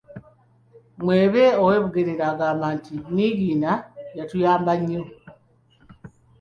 Mwebe ow’e Bweyogerere agamba nti, ‘‘Niigiina yatuyamba nnyo."